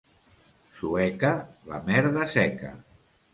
Sueca, la merda seca.